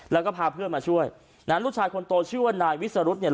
แล้วก็พาเพื่อนมาช่วยนะลูกชายคนโตชื่อว่านายวิสรุธเนี่ย